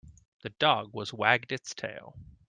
The dog was wagged its tail.